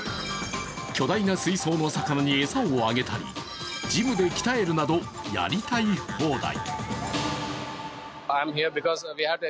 巨大な水槽の魚に餌をあげたりジムで鍛えるなど、やりたい放題。